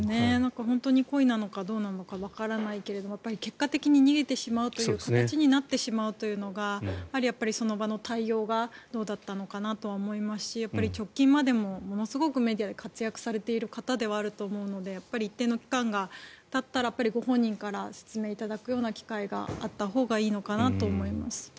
本当に故意なのかどうなのかわからないけれど結果的に逃げてしまうという形になってしまうというのがその場の対応がどうだったのかなとは思いますし直近までものすごくメディアで活躍されている方ではあると思うので一定の期間がたったらご本人から説明いただくような機会があったほうがいいのかなと思います。